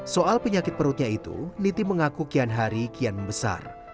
soal penyakit perutnya itu niti mengaku kian hari kian membesar